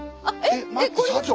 えっ待って社長。